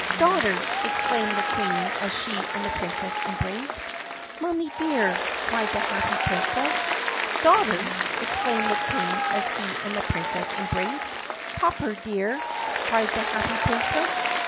"Daughter!" exclaimed the Queen as she and the Princess embraced. "Mommer dear!" cried the happy Princess. "Daughter!" exclaimed the King as he and the Princess em braced. "Popper dear!" cried the happy Princess.